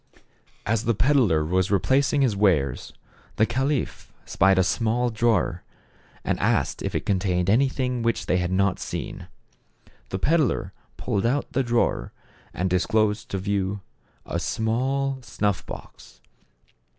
As the peddler was replacing his wares, the caliph spied a small drawer, and asked if it con tained anything which they had not seen. The peddler pulled out the drawer and disclosed to view a small snuff box.